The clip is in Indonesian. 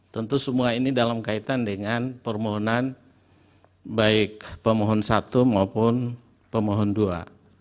tentu semua ini dalam kaitan dengan permohonan baik pemohon satu maupun pemohon dua